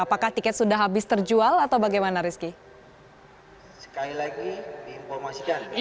apakah tiket sudah habis terjual atau bagaimana rizky